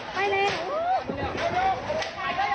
ใครมายู่